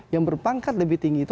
yang berpangkat lebih tinggi itu